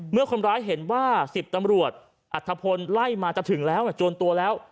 เมื่อคนร้ายเห็นว่า๑๐ตำรวจอัธพลไล่มาจะถึงแล้วจวนตัวแล้ว